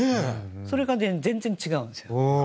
それが全然違うんですよ。